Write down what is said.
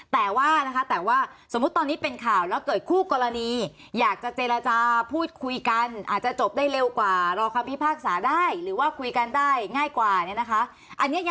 แต่ว่านะคะแต่ว่าสมมุติตอนนี้เป็นข่าวแล้วเกิดคู่กรณีอยากจะเจรจาพูดคุยกันอาจจะจบได้เร็วกว่ารอคำพิพากษาได้หรือว่าคุยกันได้ง่ายกว่าเนี่ยนะคะ